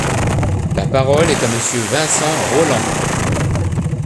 La parole est à Monsieur Vincent Rolland.